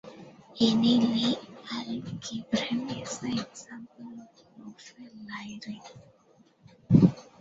Any Lie algebra is an example of a Lie ring.